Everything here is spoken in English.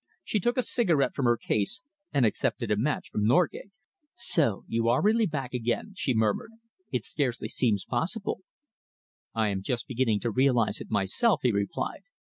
She took a cigarette from her case and accepted a match from Norgate. "So you are really back again!" she murmured. "It scarcely seems possible." "I am just beginning to realise it myself," he replied.